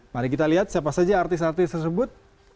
mari kita lihat siapa saja artis artis tersebut